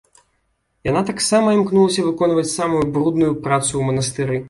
Яна таксама імкнулася выконваць самую брудную працу ў манастыры.